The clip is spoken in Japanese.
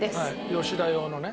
吉田用のね。